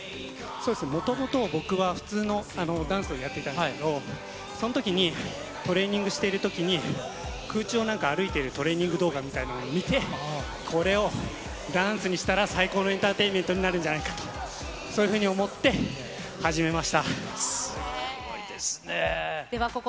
そうですね、もともと僕は普通のダンスをやっていたんですけど、そのときに、トレーニングしているときに、空中をなんか歩いているトレーニング動画みたいなのを見て、これをダンスにしたら、最高のエンターテインメントになるんじゃないかと、すごいですね。